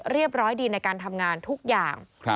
เรียบร้อยดีในการทำงานทุกอย่าง